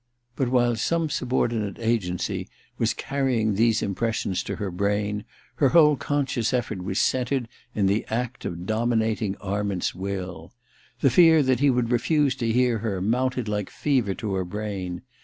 But while some subordinate agency was carrying these impressions to her brain, her whole conscious eflfbrt was centred in the act of dominating Arment's will. The fear that he would refuse to hear her mounted like fever to her brain.